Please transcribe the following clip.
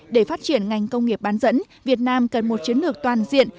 để phát triển ngành công nghiệp bán dẫn việt nam cần một chiến lược toàn diện